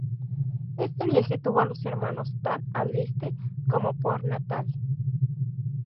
Este viaje tuvo a los hermanos tan al este como Port Natal.